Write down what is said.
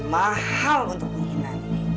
mahal untuk wina